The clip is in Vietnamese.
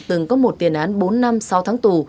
từng có một tiền án bốn năm sau tháng tù